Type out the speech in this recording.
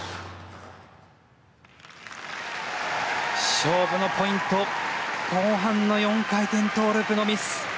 勝負のポイント後半の４回転トウループのミス。